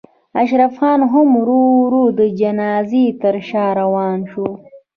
اشرف خان هم ورو ورو د جنازې تر شا روان شو.